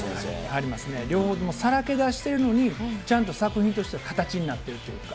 両方ともさらけ出してるのに、ちゃんと作品として形になってるというか。